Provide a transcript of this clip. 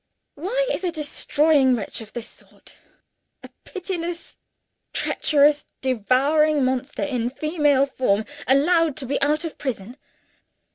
Why is a destroying wretch of this sort, a pitiless, treacherous, devouring monster in female form, allowed to be out of prison?